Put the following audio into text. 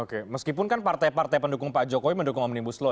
oke meskipun kan partai partai pendukung pak jokowi mendukung omnibus law